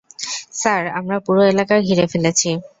Sir, আমরা পুরো এলাকা ঘিরে ফেলেছি।